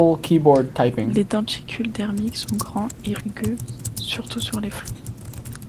Les denticules dermiques sont grands et rugueux, surtout sur les flancs.